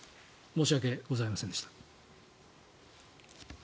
申し訳ございませんでした。